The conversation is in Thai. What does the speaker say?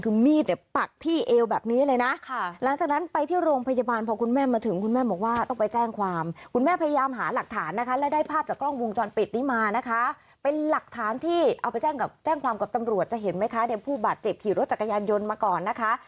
คือมีดเนี่ยปักที่เอวแบบนี้เลยนะ